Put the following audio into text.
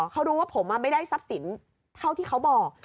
เขารู้ว่าผมไม่ได้ทรัพย์สินเท่าที่เขาบอก